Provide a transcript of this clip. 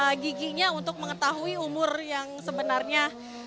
dan juga dari giginya untuk mengetahui umur yang sebenarnya